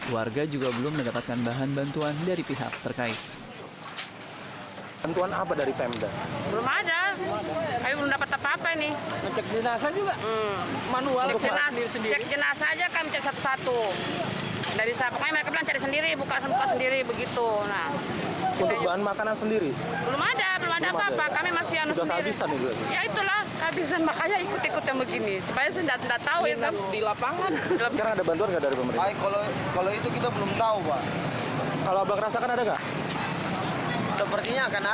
warga juga belum mendapatkan bahan bantuan dari pihak terkait